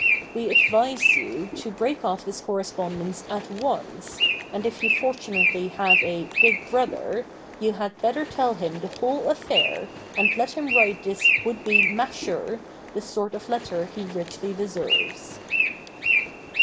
We advise you to break off this correspondence at once, and if you fortunately have a "big brother" you had better tell him the whole affair and let him write this would be "masher" the sort of letter he richly deserves.